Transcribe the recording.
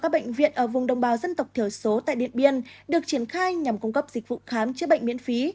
bộ thiểu số tại điện biên được triển khai nhằm cung cấp dịch vụ khám chữa bệnh miễn phí